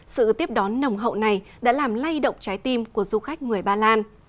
sự tiếp đón nồng hậu này đã làm lay động trái tim của du khách người ba lan